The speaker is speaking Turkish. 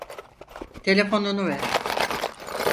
Telefonunu ver!